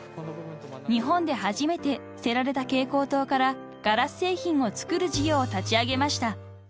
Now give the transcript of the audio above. ［日本で初めて捨てられた蛍光灯からガラス製品を作る事業を立ち上げました］